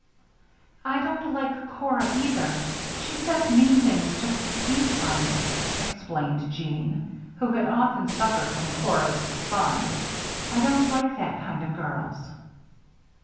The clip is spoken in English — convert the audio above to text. "I don't like Cora, either. She says mean things just to be funny," explained Jeanne, who had often suffered from Cora's "fun." "I don't like that kind of girls."